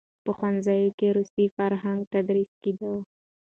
په ښوونځیو کې روسي فرهنګ تدریس کېده.